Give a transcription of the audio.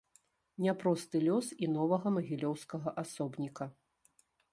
Няпросты лёс і новага магілёўскага асобніка.